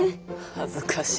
恥ずかし。